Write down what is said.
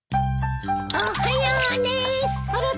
おはようでーす。